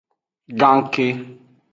Ganke.